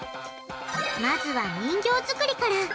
まずは人形作りから！